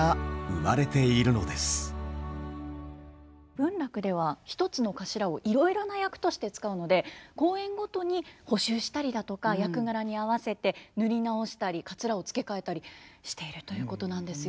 文楽では１つのかしらをいろいろな役として使うので公演ごとに補修したりだとか役柄に合わせて塗り直したりカツラを付け替えたりしているということなんですよ。